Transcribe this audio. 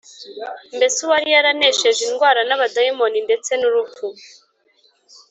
mbese uwari yaranesheje indwara n’abadayimoni ndetse n’urupfu,